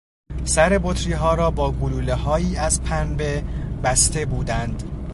سر بطری ها را با گلوله هایی از پنبه بسته بودند.